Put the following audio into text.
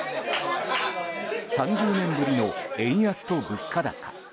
３０年ぶりの円安と物価高。